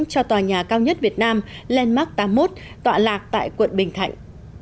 cho tòa nhà cao nhất việt nam landmark tám mươi một tọa lạc tại quận bình thạnh